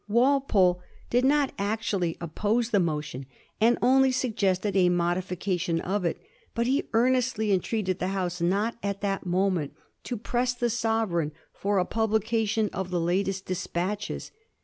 Walpole did not actually oppose 1788. AX UNLUCKY ARGUMENT. 155 the motion, and only suggested a modification of it, but be earnestly entreated tbe House not, at that moment, to press tbe Sovereign for a publication of the latest despatches.